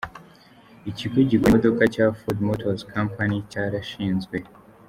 Ikigo gikora imodoka cya Ford Motor Company cyarashinzwe.